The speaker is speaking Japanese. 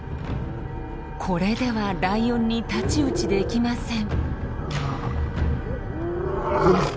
これではライオンに太刀打ちできません。